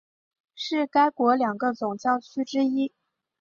是该国两个总教区之一。